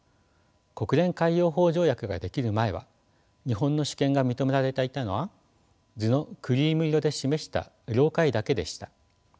国連海洋法条約が出来る前は日本の主権が認められていたのは図のクリーム色で示した領海だけでした。